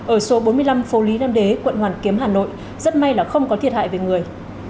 ở số bốn mươi năm phố lý nam đế quận hoàn kiếm hà nội rất may là không có thiệt hại về người